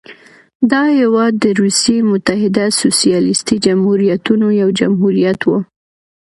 دا هېواد د روسیې متحده سوسیالیستي جمهوریتونو یو جمهوریت و.